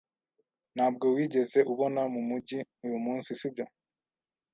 Ntabwo wigeze ubona mumujyi uyumunsi, sibyo?